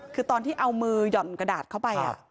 คือตอนที่เอามือหย่อนกระดาษเข้าไป